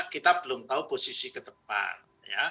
kita belum tahu posisi ke depan